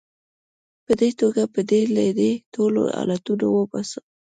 په دې توګه به دې له دې ټولو حالتونو وباسم.